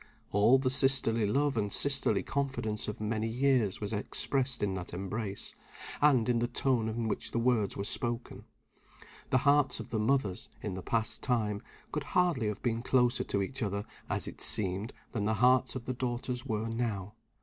All the sisterly love and sisterly confidence of many years was expressed in that embrace, and in the tone in which the words were spoken. The hearts of the mothers, in the past time, could hardly have been closer to each other as it seemed than the hearts of the daughters were now.